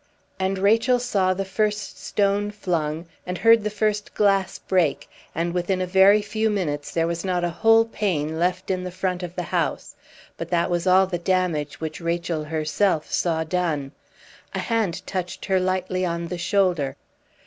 And Rachel saw the first stone flung, and heard the first glass break; and within a very few minutes there was not a whole pane left in the front of the house; but that was all the damage which Rachel herself saw done. A hand touched her lightly on the shoulder.